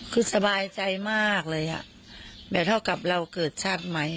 คือสบายใจมากเลยอ่ะแบบเท่ากับเราเกิดชาติไหม